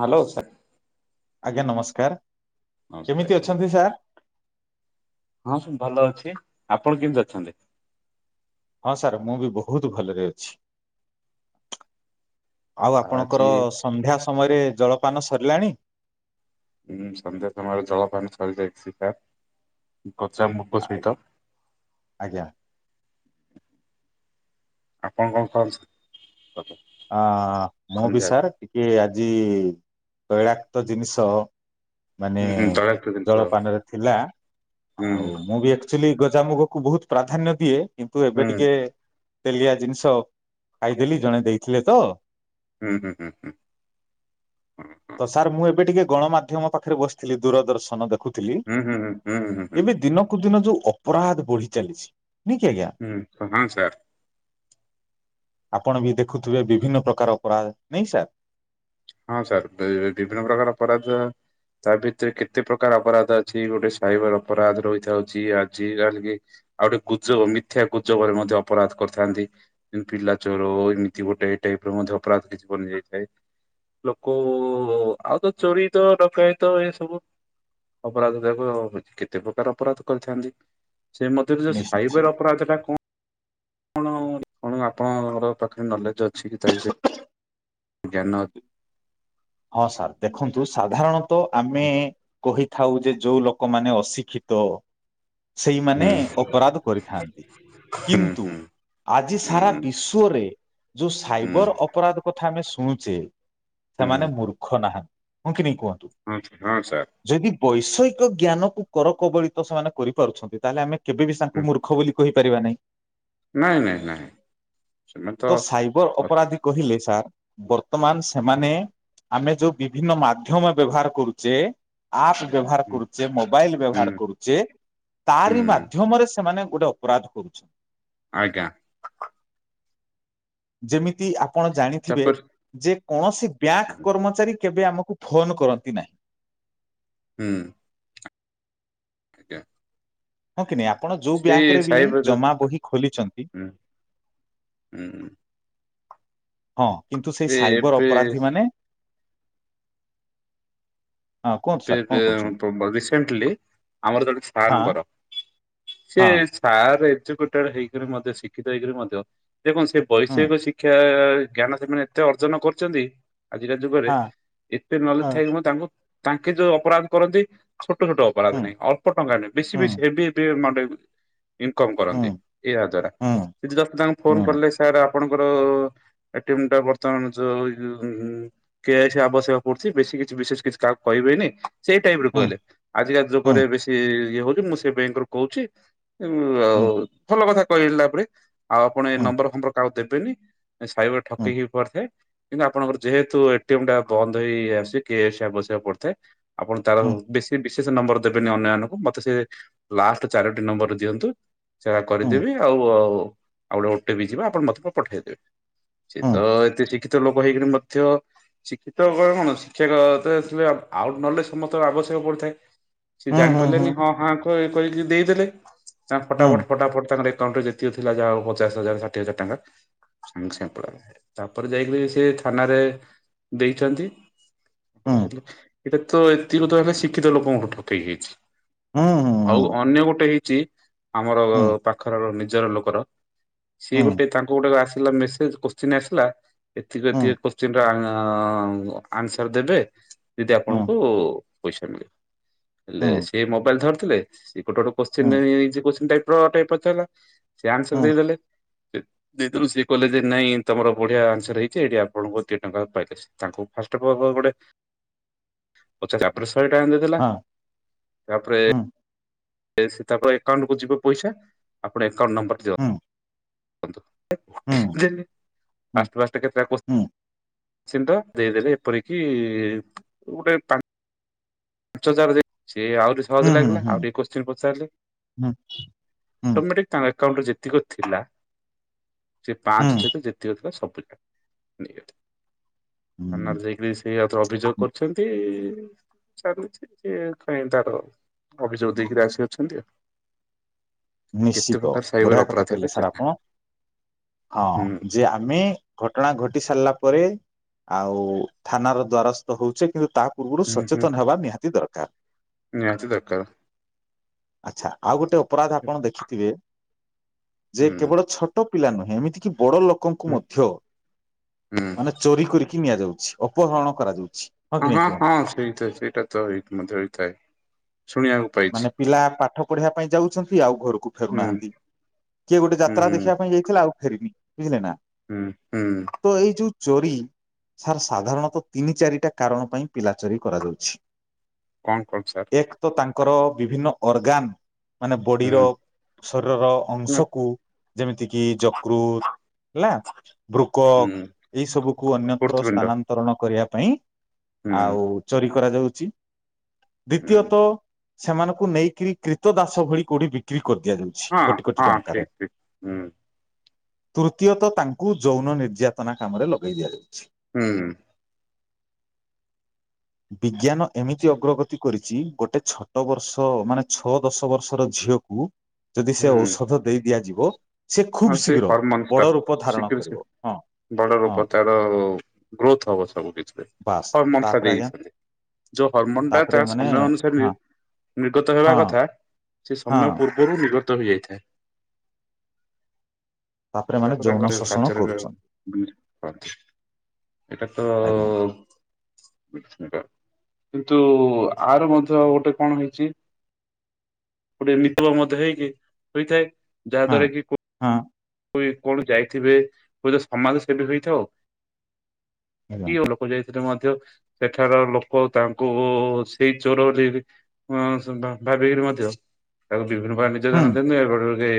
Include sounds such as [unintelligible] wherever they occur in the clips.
Hello ସା ଆଜ୍ଞା ନମସ୍କାର। ନମସ୍କାର କେମିତି ଆଜ୍ଞା ଅଛନ୍ତି ସାର୍? ହଁ ସବୁ ଭଲ ଅଛି। ଆପଣ କେମିତି ଅଛନ୍ତି? ହଁ ସାର୍ ମୁଁ ବି ବହୁତ ଭଲରେ ଅଛି। ଆଉ ଆଜି ଆପଣଙ୍କର ସନ୍ଧ୍ୟା ସମୟରେ ଜଳ ପାନ ସରିଲାଣି। ହୁଁ ସନ୍ଧ୍ୟା ସମୟର ଜଳପାନ ସରିଯାଇଛି ସାର୍। ଗଜା ମୁଗ ଆ- ସହିତ ଆଜ୍ଞା ଆପଣ କଣ କରୁ ଛ ହଁ ମୁଁ ବି ସାର୍ ଟିକେ ଆ ଜି ତୈଳାକ୍ତ ଜିନିଷ ମାନେ ହୁଁ ହୁଁ ତୈଳାକ୍ତ ଜିନିଷ ଜଳପାନରେ ଥିଲା ହୁଁ ଆଉ ମୁଁ ବି ଆକ୍ଚୁଲି ଗଜାମୁଗ କୁ ବହୁତ ପ୍ରାଧାନ୍ୟ ଦିଏ। କିନ୍ତୁ ଏବେ ହୁଁ ଟିକେ ତେଲିଆ ଜିନିଷ ଖାଇଦେଲି ଜଣେ ଦେଇ ଥିଲେ ତ। ହୁଁ ହୁଁ ହୁଁ ହୁଁ ହ ହ। ତ ସାର୍ ମୁଁ ଏବେ ଟିକେ ଗଣମାଧ୍ୟମ ପାଖରେ ବସିଥିଲି ଦୂରଦର୍ଶନ ଦେଖୁ ଥିଲି ହୁଁ ହୁଁ ହୁଁ ହୁଁ ହୁଁ ହୁଁ ଏବେ ଦିନକୁ ଦିନ ଯୋଉ ଅପରାଧ ବଢି ଚାଲିଛି। ନୁହେଁ କି ଆଜ୍ଞା ହୁଁ ହଁ ସାର୍। ଆପଣ ବି ଦେ ଖୁଥିବେ ବିଭିନ୍ନ ପ୍ରକାର ଅପରାଧ ନେଇ ସାର୍। ହଁ ସାର୍ ବିଭିନ୍ନ ପ୍ରକାର ଅପରାଧ ତା ଭିତରେ କେତେ ପ୍ରକାର ଅପରାଧ ଅଛି ଗୋଟେ ସାଇବର ଅପରାଧ ରହିଥାଉଛି ଆଜି କାଲ୍‌କି ଆଉ ଗୋଟେ ଗୁଜବ ମିଥ୍ୟ ଗୁଜବରେ ମଧ୍ୟ ଅପରାଧ କରିଥାନ୍ତି ପିଲାଚୋର ଏମିତି ଗୋଟେ ଏଇ ଟାଇପ୍ ର ମଧ୍ୟ ଅପରାଧ କିଛି ବନିଯାଇଥାଏ। ଲୋକ ଆଉ ତ ଚୋରି ତ ଡକାୟତ ଏ ସବୁ ଅପରାଧ ଯାକ କେତେ ପ୍ରକାର ଅପରାଧ କରିଥାନ୍ତି। ସେ ମଧ୍ୟରେ ଯୋଉ ନିଶ୍ଚୟ ସାଇବର ଅପରାଧ ଟା କଣ? କଣ କଣ ଆପଣଙ୍କ ପାଖରେ ନଲେଜ୍‌ ଅ ଠିକ ଚାଲିଛି- ଜ୍ଞାନ ତ ହଁ ସାର୍ ଦେଖନ୍ତୁ ସାଧାରଣ ତ ଆମେ କହି ଥାଉ ଯେ ଯଉଁ ଲୋକମାନେ ଅଶିକ୍ଷିତ ହୁଁ ସେଇମାନେ ଅପରାଧ କରିଥାନ୍ତି ହୁଁ କିନ୍ତୁ ହୁଁ ଆଜି ସାରା ହୁଁ ବିଶ୍ଵରେ ଯୋଉ ହୁଁ ସାଇବର ଅପରାଧ କ ଥା ଆମେ ଶୁଣୁଛେ। ସେମାନେ ହୁଁ ମୂର୍ଖ ନାହାନ୍ତି ହଁ କି ନାଇଁ - ହୁଁ ହଁ ସାର୍ ବୈଷୟିକ ଜ୍ଞାନକୁ କର କବଳିତ ସେମାନେ କରିପାରୁଛନ୍ତି ତାହେଲେ ଆମେ କେବେ ବି ହୁଁ ତାଙ୍କୁ ମୂର୍ଖ ବୋଲି କହିପାରିବା ନାହିଁ। ନାଇଁ ନାଇଁ ନାଇଁ ତ ସାଇବର ଅ ଅପରାଧୀ କହିଲେ ସାର୍ ବର୍ତ୍ତମାନ ସେମାନେ ଆମେ ଯୋଉ ବିଭିନ୍ନ ମାଧ୍ୟମ ବ୍ୟବହାର କରୁଚେ ଆପ ବ୍ୟବହାର ହୁଁ କରୁଚେ ମୋବାଇଲ ହୁଁ ବ୍ୟବହାର କରୁଚେ ତାରି ହୁଁ ମାଧ୍ୟମରେ ସେମାନେ ଗୋଟେ ଅପରାଧ କରୁଛେ। ଆଜ୍ଞା। ଯେମିତି ଆ- ଆପଣ ଜାଣିଥିବେ ତାପରେ ଯେ କୌଣସି ବ୍ୟାଙ୍କ ହୁଁ କର୍ମଚାରୀ କେବେ ଆମକୁ ଫୋନ କରନ୍ତି ନାହିଁ। ହୁଁ। ଆଜ୍ଞା। ହଁ କି ନାଇଁ ଆ ଆପଣ ଯୋଉ ସେ ବ୍ୟାଙ୍କରେ ବି ସାଇବାବା ଜମା ବହି ଖୋଲିଚନ୍ତି ହୁଁ ହୁଁ ହଁ କିନ୍ତୁ ସେଇ ସେ ସାଇବର ଏବେ ଅପରାଧୀ ମାନେ ହଁ କୁହନ୍ତୁ ଗୋଟେ ସାର୍ କଣ କହୁଛନ୍ତି ଏବେ ରିସେଣ୍ଟଲି ଆମର ଜଣେ ହଁ ସାରଙ୍କର ସେ ହଁ ସାର୍ ଏଜୁକେଟେଡ଼ ହେଇକରି ମଧ୍ୟ ଶିକ୍ଷିତ ହେଇକରି ମଧ୍ୟ ଦେଖନ୍ତୁ ସେ ହୁଁ ବୈଷୟିକ ଶିକ୍ଷା ସେ ଜ୍ଞାନ ସେମାନେ ଏତେ ଅର୍ଜନ କରୁଚନ୍ତି ଆଜିିକା ଯୁଗରେ ହଁ ଏତେ ନଲେଜ ହଁ ଥାଇକି ମୁଁ ତାଙ୍କୁ ତାଙ୍କେ ଯୋଉ ଅପରାଧ କରନ୍ତି ଛୋଟ ଛୋଟ ହୁଁ ଅପରାଧ ନାହିଁ ଅଳ୍ପ ଟଙ୍କା ନାହିଁ ବେଶୀ ହୁଁ ବେଶୀ ହେବି ଇନକମ ହୁଁ କରନ୍ତି ଏହା ଦ୍ଵାରା ହୁଁ ସେ ଜଷ୍ଟ ତାଙ୍କୁ ଫୋନ ହୁଁ କଲେ ସାର୍ ଆ ଆପଣଙ୍କର ଏ ଟି ଏମ୍ ଟା ବର୍ତ୍ତମାନ ଯୋଉ କେ ୱାଇ ସି ଆବଶ୍ୟକ ପଡୁଚି ବେଶୀ କିଛି ବିଶେଷ କିଛି କାହାକୁ କହିବେନି ସେଇ ଟାଇପ୍ ରୁ ହୁଁ କହିଲେ ଆଜିକାଲି ଯୁଗରେ ବେଶୀ ଇଏ ହଉଚି ମୁଁ ସେ ବ୍ୟାଙ୍କ ରୁ କହୁଚି। ଉମ ଆଉ ଭଲ କଥା। କହିଲା ପରେ ଆଉ ଆପଣ ଏଇ ନମ୍ବର ଫମ୍ବର କାକୁ ଦେବେ ବେନି। ସେ ଶାଇବର ଠକେଇିକି ହେଇ ପାରୁଥାଏ। କିନ୍ତୁ ଆପଣଙ୍କର ଯେହେତୁ ଏ ଟି ଏମ୍ ଟା ବନ୍ଦ ହେଇ ଆସିକି ସାବ [unintelligible] ଆପଣ ତାର ବେଶୀ ବେଶ ସେ ନମ୍ବର ଦେବେନି ଅନ୍ୟମାନାନଙ୍କୁ ମତେ ସେ ଲାଷ୍ଟ ଚାରୋଟି ନମ୍ବର ଦିଅନ୍ତୁ। ସେଟା କରିଦେବି ଆଉ ଆଉ ଆଉ ଗୋଟେ ଓ ଟି ପି ଯିବା ଆପଣ ମତେ ପଠେଇଦେବେ। ସେ ତ ଏତିକି ତ ଲୋକ ହେଇକରି ମଧ୍ୟ ଶିକ୍ଷିତ କଣ ଶିକ୍ଷକ ଆଉଟ ନଲେଜ ସମସ୍ତଙ୍କ ଆବଶ୍ୟକ ପଡିଥାଏ। ସିଏ ଜାଣି ପାରିଲେନି ହଁ ହଁ କହ କହିକି ଦେଇଦେଲେ। ତାଙ୍କ ଫଟା ଫଟ ଫଟାଫଟ ତାଙ୍କ ଏକଉଣ୍ଟ ଦୀୟ ଥିଲା ଯାହା ପଚାଶ ହଜାର ଷାଠିଏ ହଜାର ଟଙ୍କା ସାପଡ ତାପରେ ଯାଇକିରି ସେ ଥାନାରେ ଦେଇଛନ୍ତି। ହେଲେ। ଏଇଟା ତ ଏତିିତ ହେଲା ଶିକ୍ଷିତ ଲୋକଙ୍କୁ ପଠକେଇ ହୋଇଛି। ଆଉ ଅନ୍ୟ ଗୋଟେ ଗୋଟେ ହେଇଛି ଆମର ପାଖର ନିଜର ଲୋକର ସିଏ ଗୋଟେ ତାଙ୍କୁ ଗୋଟେ ଆସିଲା ମେସେଜ କୋଶ୍ଚିନ୍ ଆସିଲା ଏତିକ ଏତିକି କୋଶ୍ଚିିନ ର ଆନ୍ସର ଦେବେ। ଯଦି ଆପଣଙ୍କୁ। ପଇସା ମିଳ ହେଲେ ସେ ମୋବାଇଲ ଧରିଥିଲେ ଟ କୋଶି ଟାଇପ ଟାଇପ୍ ଅଛି ହେଲା। ସୋନସର ଦେଇଦଲେ। ୁ ସିଏ କହଲେ ଯେ ନାଇଁ ତମର ବଢିଆ ଆନ୍ସର ହେଇଛି ଏଠି ଆପଣଙ୍କୁ ଗୋଏ ଟଙ୍କା ପାଇଲେ ତାଙ୍କୁ ଫାଷ୍ଟ ଗୋଟେ। ପଚଛା ଆପଣ ଟାଇମ୍ ଦେଇଥିଲା ତାପରେ ସେ ତାପ ଏକାଉଣ୍ଟକୁୁ ଯିବ ପଇସା ଆପଣ ଆକାଉଣ୍ଟ ନମ୍ରର୍ ଦିଅ। ି [unintelligible] ଫାଷ୍ଟ ଫାଷ୍ଟ କେତୋ [unintelligible] ଦେଇଦେଲେ ଏପରିକି ଗୋଟେ। ପାଞ୍ଚ ହଜାର ହଜ ସେ ଆଉରିି ସହଜ ଲାଗିଲା ଆଉ ଟିକେ କୋତ୍ସିନ ପଚାରିଲେ ଅଟୋମଟିକ ତାଙ୍କ ଆକାଉଣ୍ଟ ଯେତିକ ଥିଲା। ସେ ପାଞ୍ଚ ଛତ ଯେତିକି ଥିଲା ସବୁ। ଥାନାରେ ଯାଇକରି ସେଥୟା ଅଭିଯୋଗ କରିୁଛନ୍ତି। ଚାଲିଛି ସଏ କାଇ ତାର ଅଭିଯୋଗ ଦେଇକିରି ଆସି ଅଛନ୍ତି ଆଉ ଉଁ। ନିଶ୍ଚିତ ବଢିଆ କଥା ଏବେ କହିଲେ ସାର୍ ଚାଲେ ଆପଣ ହୁଁ ହଁ ଯେ ଆମେ ଘଟଣା ଘ କଟି ସାରିଲା ପରେ ଆଉ ଥାନାର ଦ୍ଵାରସ୍ଥ ହଉଛେ କିନ୍ତୁ ତା ପୂର୍ବରୁ ହୁଁ ହୁଁ। ସଚେତନ ହେବା ନିହାତି ଦରକାର। ହ। ନିହାତି ଦରକାର ଆଛା ଆଉ ଗୋଟେ ଅପରାଧ ହୁଁ ଦେଖିଥିବେ। ଯେ ହୁଁ କେବଳ ଛୋଟ ପିଲାୁହେଁ ଏମତି କି ବଡ ଲୋକଙ୍କୁ ହୁଁ ମଧ୍ୟ ମାନେ ଚୋରି କରି ନିଆଯାଉଛି ଅପହରଣ କରାଯାଉଛି। କି ହଁ ନାଇଁ ହଁ ହଁ କୁହନ୍ତୁ? ସେଇଟ ସେଇଟା ତ ଏଇ ମଧ୍ୟ ହେଇଥାଏ ଶୁଣିବାକୁ ପାଇଛି ମାନେ ପିଲା ପାଠ ପଢିବା ପାଇଁ ଯାଉଛନ୍ତି ଆଉ ଘରକୁ ହୁଁ ଫେରୁନାହାନ୍ତି କିଏ ଗୋଟେ ଯାତ୍ରା ହୁଁ ଦେଖିବା ପାଇଁ ଯାଇଥିଲା ଆଉ ଫ [unintelligible] ବୁଝିଲେ ନା ହୁଁ ହୁଁ। ତ ଏଇ ଯୋଉ ଚୋରି ସାର୍ ସାଧାରଣତଃ ତିନି ଚାରିଟା କାରଣ ପାଇଁ ପିଲା ଚୋରି କରାଯାଉଛି। କଣ କଣ ସାର୍? ଙ୍କର ବିଭିନ୍ନ ଅର୍ଗାନ ମାନେ ହୁଁ ବଡିର ଶରୀରର ହୁଁ ଅଂଶକୁ ଯେମିତିକି ଯକୃତ ହେଲା। ବ୍ରୁକକ୍ ହୁଁ ଏଇ ସବୁକୁ ଅନ୍ୟତ୍ର ଫୋର୍ଥ ୱିଣ୍ଡୋ ସ୍ଥାନାନ୍ତରଣ କରିବା। ପାଇଁ। ହୁଁ ଆଉ ଚୋରି କରାଯାଉଛି। ହୁଁ ଦ୍ୱିତୀୟତଃ। ସେମାନଙ୍କୁ ନେଇକିରି କ୍ରିତ ଦାସ ଭଳି କୋଉଠି ବିକ୍ରି କରିଦିଆଯାଉଛି ହଁ କୋଟି କୋଟି ହଁ ଠିକ ଠିକ ହୁଁ। ତୃତୀୟତ ତାଙ୍କୁ ଯୌନ ନିର୍ଯାତନା କାମରେ ଲଗେଇ ଦିଆଯାଉଛି। ହୁଁ ହଁ। ବିଜ୍ଞାନ। ଏମିତି ଅଗ୍ରଗତି। କରିଛି ଗୋଟେ ଛକ। ଟ ବର୍ଷ ମାନେ ଛଅ ଦଶ ବର୍ଷର ଝିଅକୁ। ଯଦି ସେ ହୁଁ ଔଷଧ ଦେଇ ଦିଆଯିବ। [unintelligible] ଖୁବ ହଁ ସିଏ ଶୀଘ୍ର ବଡ ହରମୋନ ରୂପ ଧାରଣ ଶୀଘ୍ର କରିବ ସେ ହଁ ବଡ ହଁ ରୂପ ତାର ଗ୍ରୋଥ ହବ ସବୁ କିଛିରେ ବାସ୍ ହରମୋନ ଟା ତାପରେ ଆଜ୍ଞା ଦେଇଛନ୍ତି। ଯୋଉ ହରମୋନ ଟା ତା ତାପରେ ମାନେ ସମୟ ଅନୁସାରେ। ହଁ ନିର୍ଗତ ହେବା ହଁ କଥା। ସେ ହଁ ସମୟ ପୂର୍ବରୁ ନି। ତ ହୋଇଯାଇଥାଏ। ମାନେ ତାପରେ ଯୌନ ଶୋଷଣ କରୁଛନ୍ତି [unintelligible] ଏଟା ତ ଆଜ୍ଞା କିନ୍ତୁ ଆର ମଧ୍ୟ ଗୋଟେ କଣ ହେଇଛି ଗୋଟେ ମିତବା ମଧ୍ୟ ହେଇକି ହୋଇଥାଏ। ଯାହା ହଁ ଦ୍ୱାରା କି ପୁ ହଁ କଣ ଯାଇଥିବେ ସମାଜ ସେବି ହେଇଥାଉ। ଆଜ୍ଞା କି ଓ ଲୋକ ଯାଏ। ସେଥିରେ ମଧ୍ୟ ସେଠାର ଲୋକ ତାଙ୍କୁ ସେଇ ଚୋର ବୋଲି ଭାବିକିରି ମଧ୍ୟ ତାକୁ। ହୁଁ ଦିନ [unintelligible] ରେ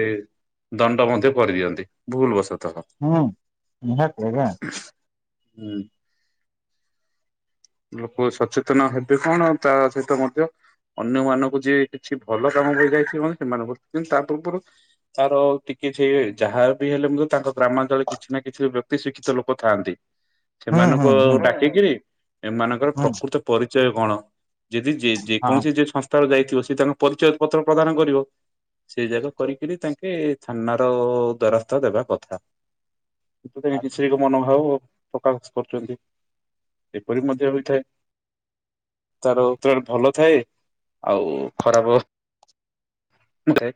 ଦଣ୍ଡ ମଧ୍ୟ। କରିଦିଅନ୍ତି ଭୁଲ ବସନ୍ତି। ହୁଁ [unintelligible] ହୁଁ ଲୋକ ସଚେତନ ହେବେ କଣ ତା ସହିତ ମଧ୍ୟ ଅନ୍ୟ ମାନଙ୍କୁ ଯିଏ କିଛି ଭଲ କାମ କରି ଯାଇଥ ସେମାନଙ୍କ କିନ୍ତୁ ତା ପୂର୍ବରୁ ତାର ଟିକେ। ସେ ଯାହା ବି ହେଲେ ମଧ୍ୟ ତାଙ୍କ ଗ୍ରାମାଞ୍ଚଳରେ କିଛି ନା କିଛି ବ୍ୟକ୍ତି ଶିକ୍ଷିତ ଲୋକ ଥାଆନ୍ତି। ହୁଁ ହୁଁ ସେମାନଙ୍କୁ ହୁଁ ଆ ଡାକିକିରି। ଏମାନଙ୍କର ହୁଁ ପ୍ରକୃତ ପରି ଚୟ କଣ। ଯଦି ଯେ ହଁ। ଯେକୌଣସି ଯେସ୍। ର ଯାଇଥିବ ସେ ତାଙ୍କ ପରିଚୟ ପତ୍ର ପ୍ରଦାନ କରିବ। ସେଇ ଯାଗ କରିକରି ତାଙ୍କେ ଛନ୍ନ [unintelligible] ଦ୍ଵାରସ୍ ଦେବା କଥା କିଛି ମନଭାବ ପ୍ରକାଶ କରୁଛନ୍ତି ଏପରି ମଧ୍ୟ ହେଥାଏ ତାର ତ ଭଲ ଥାଏ ଆଉ ଖରାପଥାଏ।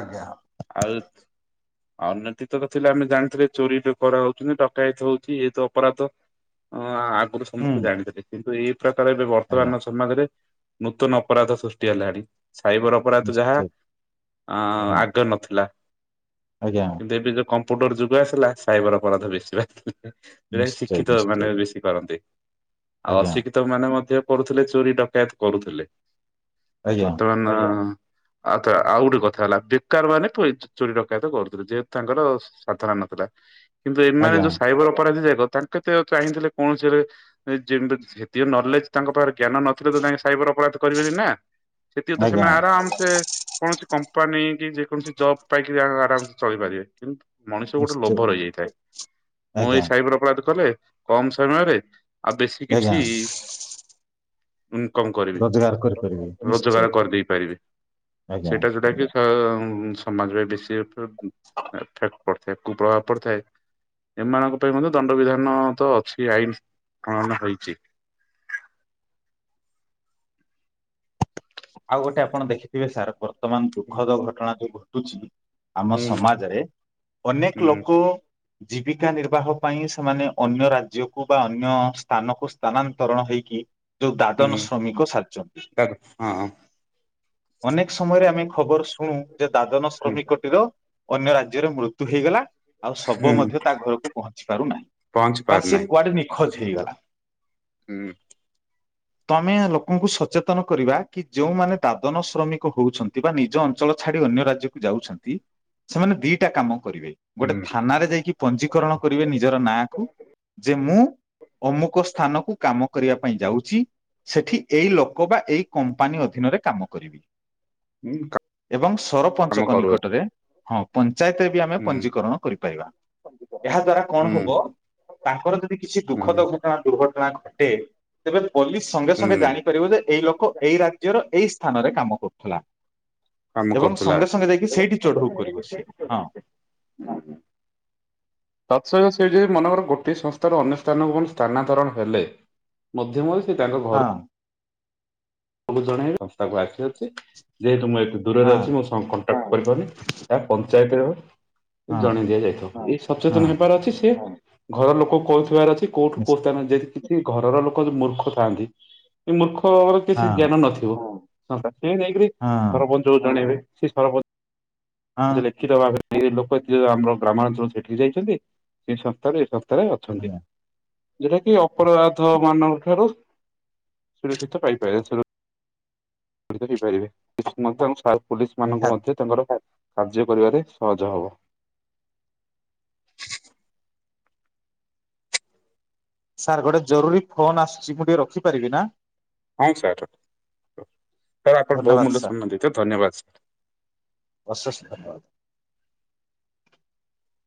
ଆଜ୍ଞା। ଆଉ। ଉ ଅତି ତ ଥିଲେ ଆମେ ଜାଣିଥିଲେ ଚୋରିରେ କରାହଉଛୁ ଡକାୟତ ହଉଛି ଏତ ଅପରାଧ। ହୁଁ ସମସ୍ତେ ଜାଣିଥିଲେ କିନ୍ତୁ ଏ। ଏବେ ଆଜ୍ଞା ବର୍ତ୍ତମାନ ସମାଜରେ। ନୂତନ ଅପରାଧ ସୃଷ୍ଟି ହେଲା ଏଠି। ସାଇବର ଅପରାଧ ଯାହା ନିଶ୍ଚୟ ଆଜ୍ଞା ଆଗେ ନଥିଲା। ଆଜ୍ଞା କିନ୍ତୁ ଏବେ ଯୋଉ କ କମ୍ପୁଟର ଯୁଗ ଆସିଲା ସାଇବର ଅପରାଧ ବେଶୀ ହେଲା। ଯେଉଟା ନିଶ୍ଚୟ ଶିକ୍ଷିତ ନିଶ୍ଚୟ ମାନେ ବେଶୀ କରନ୍ତି। ଆଉ ଆଜ୍ଞା। ଅଶିକ୍ଷିତ ମାନେ ମଧ୍ୟ। କରୁଥିଲେ। ଚୋରି ଡକାୟତ କରୁଥିଲେ‌। ଆଜ୍ଞା ବର୍ତ୍ତମାନ ଆଉଥରେ ଆଉ ଗୋଟେ କଥା ହେଲା ବେକାର ମାନେ ଚୋରି ଡ଼ ତ କରୁଥିଲେ ଯେହେତୁ ତାଙ୍କର ସାଧନା ନଥିଲା। କିନ୍ତୁ ଏମାନେ ଆଜ୍ଞା ଯୋଉ ସାଇବର ଅପରାଧୀ ଯେ ତାଙ୍କେ ତ ଚାହିଁଥିଲେ କୌଣସିଦ ସେତି ନଲେଜ ତାଙ୍କ ପାଖରେ ଜ୍ଞାନ ନଥିଲେ ତ ତାଙ୍କ ସାଇବର ଅପରାଧ କରିବେନି ନା। ସେଥିପାଇଁ ତ ଆଜ୍ଞା ସେମାନେ ଆରାମ ସେ କୌଣସି କ ନେଇକି ଯେକୌଣସି ଜବ୍ ପାଇକି ଆରାମସେ ଚଳିପାରିବେ। କିନ୍ତୁ ମଣିଷ ଗୋଟେ ନିଶ୍ଚୟ ଲୋଭ ରହିଯାଇଥାଏ। ମୁଁ ଆଜ୍ଞା ଏଇ ସାଇବର ଅପରାଧ କଲେ କମ୍ ସମୟରେ ଆଉ ବେଶୀ ଆଜ୍ଞା କିଛି ଇନକମ କରିବି। ରୋଜଗାର କରିପାରିବି। ନିଶ୍ଚୟ ରୋଜଗାର କରିଦେଇ ପାରିବି। ଆଜ୍ଞା ସେଇଟା ଯଉଟା କି ସ ସମାଜ ରେ ସେ ତ [unintelligible] ପଡିଥାଏ। କୁପ୍ରଭାବ ପଡିଥାଏ। ଏମାନଙ୍କ ପାଇଁ ମଧ୍ୟ ଦଣ୍ଡବିଧାନ ତ ଅଛି। ଆଇନ ପ୍ରଣୟନ ହେଇଚି। ଆଉ ଗୋଟେ ଆପଣ ଦେଖିଥିବେ ସାରପ ର୍ତ୍ତମାନ ଦୁଃଖଦ ଘଟଣା ଯୋଉ ଘଟୁଚି। ଆମ ହୁଁ ସମାଜରେ, ଅନେକ ହୁଁ ଲୋକ ଜୀବିକା ନିର୍ବାହ ପାଇଁ, ସେମାନେ ଅନ୍ୟ ରାଜ୍ୟକୁ ବା ଅନ୍ୟ ସ୍ଥାନକୁ ସ୍ଥାନାନ୍ତରଣ ହେଇକି ଯୋଉ ଦାଦନ ହୁଁ ଶ୍ରମିକ ସାାଯିଚନ୍ତି। ତା ହଁ। ଅନେକ ସମୟରେ ଆମେ ଖବର ଶୁଣୁ ହୁଁ। ଯେ, ଦାଦନ ହୁଁ ଶ୍ରମିକଟିର ଅନ୍ୟ ରାଜ୍ୟରେ ମୃତ୍ୟୁ ହେଇଗଲା। ଆଉ ଶବ ହୁଁ ମଧ୍ୟ ତା ଘରକୁ ପହଞ୍ଚି ପାରୁନାହିଁ। ପହଞ୍ଚି ବା ସି ପାରୁନାହିଁ କୁଆଡେ ନିଖୋଜ ହେଇଗଲା। ହୁଁ। ତମେ ଲୋକଙ୍କୁ ସଚେତନ କରିବା। କି ଯୋଉମାନେ ଦାଦନ ଶ୍ରମିକ ହଉଚନ୍ତି ବା ନିଜ ଅଞ୍ଚଳ ଛାଡି ଅନ୍ୟ ରାଜ୍ୟକୁ ଯାଉଚନ୍ତି ସେମାନେ ଦିଟା କାମ କରିବେ। ଗୋଟେ ହୁଁ ଥାନାରେ ଯାଇକି ପଞ୍ଜୀିକରଣ କରିବେ ନିଜର ନାଁକୁ ଯେ ମୁଁ ଅମୁକ ସ୍ଥାନକୁ କାମ କରିବା ପାଇଁ ଯାଉଚି, ସେଠି ଏଇ ଲୋକ ବା ଏଇ କମ୍ପାନୀ ଅଧୀନରେ କାମ କରିବି। ହୁଁ ଏବଂ କାମ ସରପଞ୍ଚଙ୍କ କରୁଅଛି। ନିକଟରେ ହଁ ପ ଞ୍ଚାୟତରେ ବି ଆମେ ହୁଁ ପଞ୍ଜିକରଣ କରିପାରିବା। ଏହା ଦ୍ଵାରା କଣ ହୁଁ ହବ ତାଙ୍କର ଯଦି କିଛି ହୁଁ ଦୁଃଖଦ ଘଟଣା ଦୁର୍ଘଟଣା ଟେ ସେ ପୋଲିସ ସଙ୍ଗେ ସଙ୍ଗେ ହୁଁ ଜାଣିପାରିବ ଯେ ଏଇ ଲୋକ ରାଜ୍ୟର ଏଇ ସ୍ଥାନରେ କାମ କରୁଥିଲା। କାମ ଏବଂ କରୁଥିଲା। ସଙ୍ଗେ ସଙ୍ଗେ ଯାଇକି ସେଇଠି ଚଢଉ କରିବ ସିଏ ହଁ ତତ୍ସହିତ ସେଇ ଯ ମନେକର ଗୋଟିଏ ସଂସ୍ଥାର ଅନ୍ୟ ସ୍ଥାନକୁ ସ୍ଥାନାନ୍ତରଣ ହେଲେ ମଧ୍ୟ ସେ ତାଙ୍କ ଘର ହଁ ସବୁ ଜଣେ ରାସ୍ତାକୁ ଆସି ଅଛି ଯେହେତୁ ମୁଁ ଦୂରରେ ହଁ ଅଛି ମୋ କଣ୍ଟାକ୍ଟ କରିପାରୁନି। ଯାଇ [unintelligible] ହଁ ଜଣେଇ ଦିଆଯାଇଥିବ ଏଇ ହଁ ସଚେତନ ହେବାର ଅଛି ସିଏ। ଘର ଲୋକ କହୁଥିବାର ଅ କୋଉଠୁ କୋଉ ନିଶ୍ଚ ସ୍ଥାନ ସେ ଘରର ଲୋକ ଯୋଉ ମୂର୍ଖ ଥାଆନ୍ତି ଏଇ ମୂର୍ଖ କିଛି ହଁ ଜ୍ଞାନ ନଥିବ ହଁ। ସେ ନେଇକରି ହଁ ସରପଞ୍ଚଙ୍କୁ ଜଣେଇବେ। ସେ ସରପ ଆ ହଁ ଲିଖିତ [unintelligible] ସେ ଲୋକ ଏ ଯଉ ଆମର ଗ୍ରାମାଞ୍ଚଳ ସେଠି ଯାଇଛନ୍ତି ସେ ସପ୍ତାହରେ ଅଛନ୍ତି। ଆଜ୍ଞା ଯେଉଟା କି ଅପରାଧ ମାନଙ୍କ ଠାରୁ ସେିଲ କେତେ ପାଇାଇ ହେଇପାରେ କିଛି [unintelligible] ପୋଲିସ ମାନଙ୍କୁ ନିହାତି ମଧ୍ୟ ତାଙ୍କର କାର୍ଯ୍ୟ କରିବାରେ ସହଜ ହବ। ସାର୍ ଗୋଟେ ଜରୁରୀ ଫୋନ ଆସୁଛି ମୁଁ ଟିକେ ରଖିପାରିବି ନା। ହଁ ସାର୍ ସାର୍ ଆପଣ ବହୁ ଧନ୍ୟବାଦ ମୂଲ୍ୟ ସାର୍ ସମ୍ମାନ ଦେଇଛ ଧନ୍ୟବାଦ ସାର୍। ଅଶେଷ ଧନ୍ୟବାଦ। [unintelligible]